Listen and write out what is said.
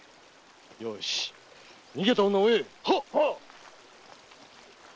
よし逃げた女を追えっ！